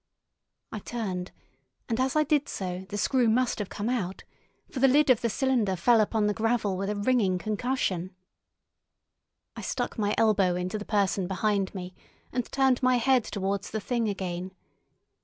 I turned, and as I did so the screw must have come out, for the lid of the cylinder fell upon the gravel with a ringing concussion. I stuck my elbow into the person behind me, and turned my head towards the Thing again.